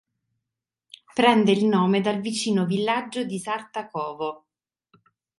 Prende il nome dal vicino villaggio di Sartakovo.